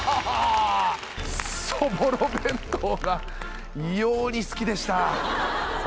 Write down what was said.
そぼろ弁当が異様に好きでした。